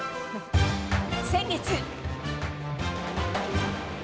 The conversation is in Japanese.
先月。